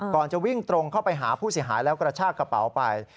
ก่อนจะวิ่งตรงเข้าไปหาผู้เสียหายแล้วกระชากระเป๋าไป